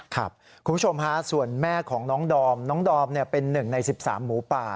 ครับคุณผู้ชมฮะส่วนแม่ของน้องดอมน้องดอมเนี่ยเป็นหนึ่งใน๑๓หมูป่า